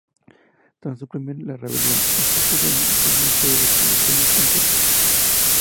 Tras suprimir la rebelión, Escápula inició una serie de expediciones fronterizas.